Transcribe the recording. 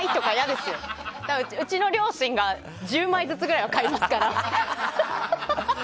でも、うちの両親が１０枚ずつぐらいは買いますから。